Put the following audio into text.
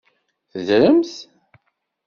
Teddremt?